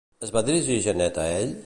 Es va dirigir Janet a ell?